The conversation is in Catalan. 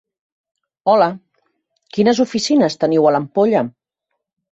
Hola, quines oficines teniu a l'Ampolla?